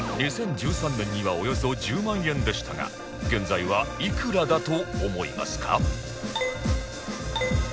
２０１３年にはおよそ１０万円でしたが現在はいくらだと思いますか？